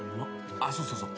あっそうそうそう。